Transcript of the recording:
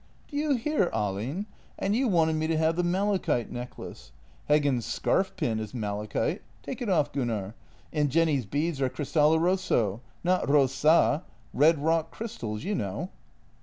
" Do you hear, Ahlin? And you wanted me to have the malachite necklace. Heggen's scarf pin is malachite — take it off, Gunnar — and Jenny's beads are cristallo rosso, not rossa — red rock crystals, you know."